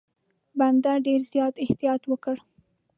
بنده ډېر زیات احتیاط وکړي.